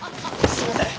すいません。